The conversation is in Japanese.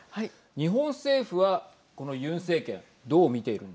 日本政府は、このユン政権はい。